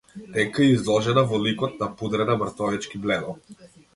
Тенка и издолжена во ликот, напудрена мртовечки бледо.